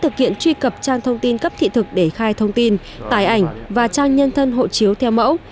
người nước ngoài sẽ truy cập trang thông tin cấp thị thực để khai thông tin tài ảnh và trang nhân thân hộ chiếu theo mẫu